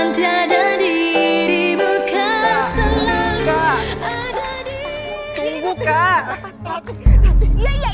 suara disk bigangku satufuu